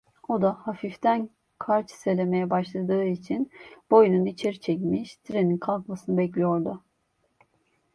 O da, hafiften kar çiselemeye başladığı için, boynunu içeri çekmiş, trenin kalkmasını bekliyordu.